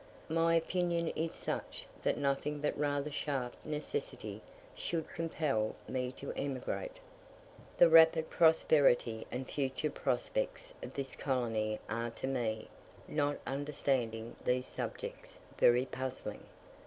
My opinion is such, that nothing but rather sharp necessity should compel me to emigrate. The rapid prosperity and future prospects of this colony are to me, not understanding these subjects, very puzzling.